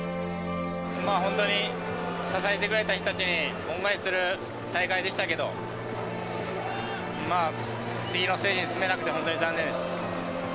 本当に支えてくれた人たちに恩返しする大会でしたけど、次のステージに進めなくて、本当に残念です。